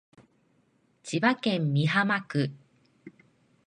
千葉市美浜区